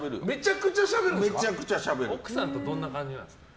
奥さんとどんな感じなんですか？